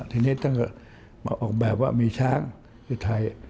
ทีนี้ท่านก็มาออกแบบว่ามีช้างคือไทย